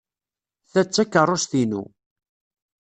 Ta d takeṛṛust-inu.